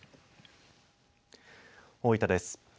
大分です。